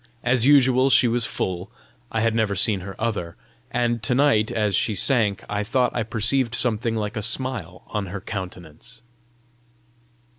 As usual she was full I had never seen her other and to night as she sank I thought I perceived something like a smile on her countenance.